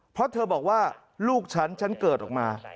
เพราะเธอบอกว่าลูกฉันฉันเกิดออกมา